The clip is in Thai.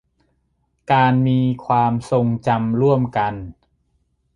การมีความทรงจำร่วมกัน